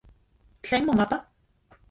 ¿Tlen momapa?